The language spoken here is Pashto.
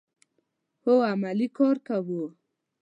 هو، عملی کار کوو